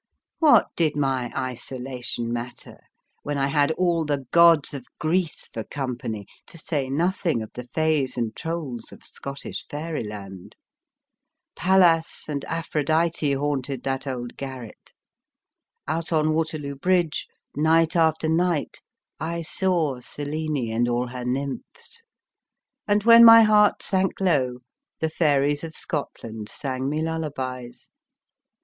What did my isolation matter, when I had all the gods of Greece for company, to say nothing of the fays and trolls of Scottish Fairyland ? Pallas and Aphrodite haunted that old garret ; out on Waterloo Bridge, night after night, I saw Selene and all her nymphs ; and when my heart sank low, the fairies of Scotland sang me lullabies